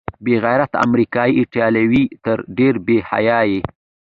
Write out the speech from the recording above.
بې غیرته امریکايي ایټالویه، ته ډېر بې حیا یې.